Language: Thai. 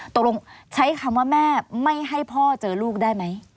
ตกลงใช้คำว่าแม่ไม่ให้พ่อเจอลูกได้ไหม